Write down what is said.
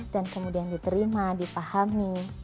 dan kemudian diterima dipahami